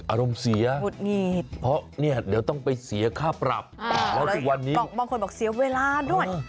อารมณ์เสียหงุดหงิดเพราะเนี่ยเดี๋ยวต้องไปเสียค่าปรับแล้วทุกวันนี้บางคนบอกเสียเวลาด้วย